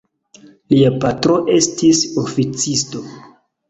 Lia patro estis oficisto.